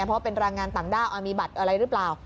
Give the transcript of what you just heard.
เพราะว่าเป็นแรงงานต่างด้าวมีบัตรอะไรหรือเปล่า